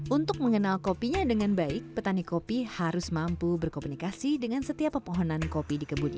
untuk mengenal kopinya dengan baik petani kopi harus mampu berkomunikasi dengan setiap pepohonan kopi di kebunnya